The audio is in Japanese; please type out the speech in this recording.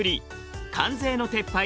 関税の撤廃